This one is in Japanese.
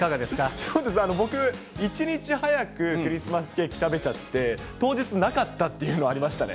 そうですね、僕、一日早くクリスマスケーキ食べちゃって、当日、なかったっていうのありましたね。